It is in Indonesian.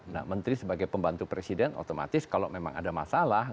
nah menteri sebagai pembantu presiden otomatis kalau memang ada masalah